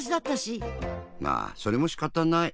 まあそれもしかたない。